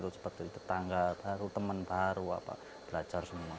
seperti tetangga baru teman baru belajar semua